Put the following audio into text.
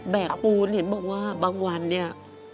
ปูนเห็นบอกว่าบางวันเนี่ย